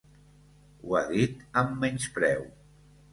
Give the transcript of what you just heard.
Ho ha dit amb menyspreu.